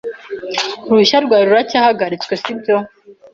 Uruhushya rwawe ruracyahagaritswe, sibyo?